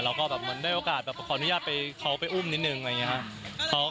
เราก็แบบมันได้โอกาสแบบขออนุญาตเขาไปอุ้มนิดนึงอะไรอย่างเงี้ย